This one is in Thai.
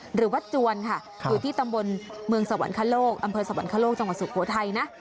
หรือวัดจวนค่ะอยู่ที่ตำบลเมืองสวรรคโลกอำเภอสวรรคโลกจังหวัดสุโขทัยนะ